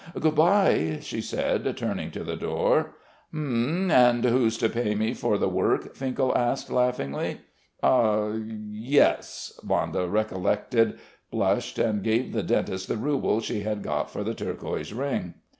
"Good bye ..." she said, turning to the door. "H'm! And who's to pay me for the work?" Finkel asked laughingly. "Ah ... yes!" Vanda recollected, blushed and gave the dentist the rouble she had got for the turquoise ring.